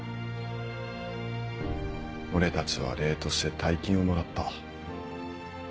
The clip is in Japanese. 俺たちは礼として大金をもらった。